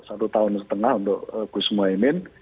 satu tahun setengah untuk gus muhaymin